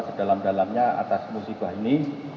sedalam dalamnya atas musibah ini